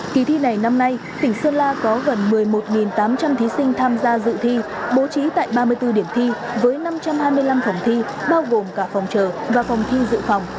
kỳ thi này năm nay tỉnh sơn la có gần một mươi một tám trăm linh thí sinh tham gia dự thi bố trí tại ba mươi bốn điểm thi với năm trăm hai mươi năm phòng thi bao gồm cả phòng chờ và phòng thi dự phòng